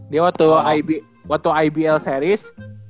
dia waktu ibl series